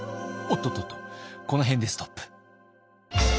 おっとっとっとこの辺でストップ。